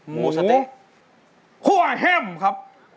หมูคั่วแห้งครับ